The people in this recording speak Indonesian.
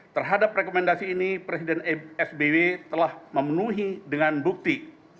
terhadap rekomendasi ini presiden sby telah memenuhi dengan bukti